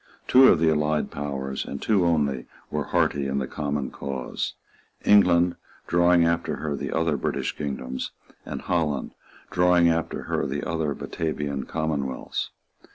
Two of the allied powers, and two only, were hearty in the common cause; England, drawing after her the other British kingdoms; and Holland, drawing after her the other Batavian commonwealths.